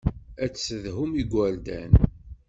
Ad tessedhuḍ igerdan.